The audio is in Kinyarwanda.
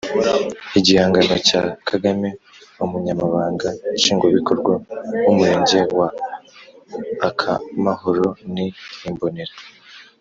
Igihangano cya KagameUmunyamabanga nshingwabikorwa w’umurenge wa Akamahoro ni imbonera,